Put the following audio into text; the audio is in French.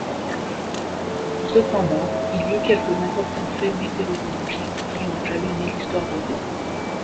Cependant, il y eut quelques importants faits météorologiques qui ont jalonné l’histoire de Ré.